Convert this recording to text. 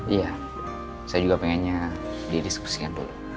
iya saya juga pengennya didiskusikan dulu